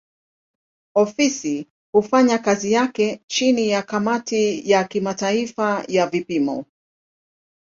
Ofisi hufanya kazi yake chini ya kamati ya kimataifa ya vipimo.